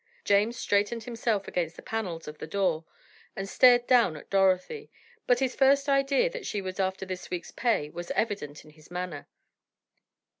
James straightened himself against the panels of the door, and stared down at Dorothy, but his first idea that she was after his week's pay was evident in his manner.